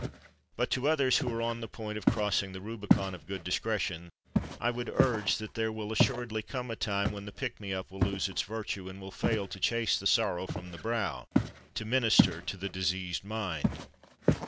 But to others who are on the point of crossing the Rubicon of good discretion I would urge that there will assuredly come a time when the pick me up will lose its virtue, and will fail to chase the sorrow from the brow, to minister to the diseased mind.